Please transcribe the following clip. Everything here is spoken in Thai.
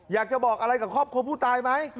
อยากจะบอกอะไรกับครอบครัวผู้ตายไหม